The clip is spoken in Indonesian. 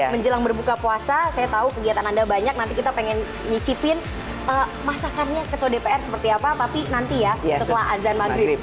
menjelang berbuka puasa saya tahu kegiatan anda banyak nanti kita pengen nyicipin masakannya ketua dpr seperti apa tapi nanti ya setelah azan maghrib